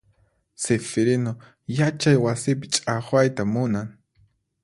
Sifirinu yachay wasipi chaqwayta munan.